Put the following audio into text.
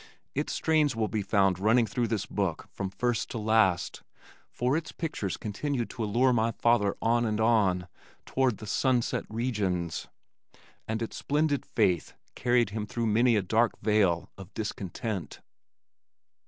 Its strains will be found running through this book from first to last, for its pictures continued to allure my father on and on toward "the sunset regions," and its splendid faith carried him through many a dark vale of discontent.